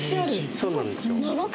そうなんですよ。